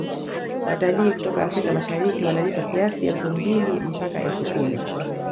Watalii kutoka africa mashariki wanalipa kiasi elfu mbili mpaka elfu kumi